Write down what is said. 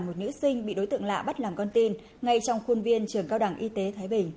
một nữ sinh bị đối tượng lạ bắt làm con tin ngay trong khuôn viên trường cao đẳng y tế thái bình